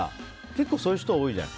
結構、そういう人多いじゃん。